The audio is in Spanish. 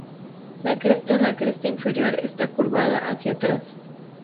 La cresta en la cresta inferior está curvada hacia atrás.